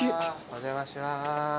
お邪魔します。